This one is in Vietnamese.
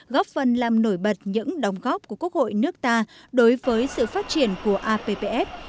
góp phần làm nổi bật những đóng góp của quốc hội nước ta đối với sự phát triển của appf